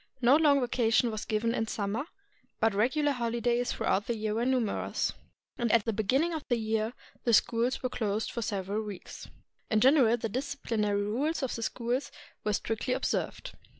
No long vacation was given in summer, but the regular hoHdays throughout the year were numerous, and at the beginning of the year the schools were closed for several weeks. In general the disciplinary rules of the schools were strictly observed.